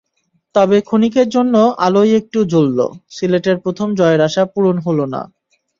তবে ক্ষণিকের জন্য আলোই একটু জ্বলল, সিলেটের প্রথম জয়ের আশা পূরণ হলো না।